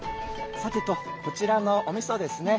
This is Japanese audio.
さてとこちらのおみそですね。